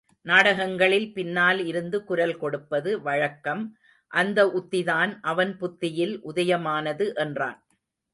நாடகங்களில் பின்னால் இருந்து குரல் கொடுப்பது வழக்கம் அந்த உத்திதான் அவன் புத்தியில் உதயமானது என்றான்.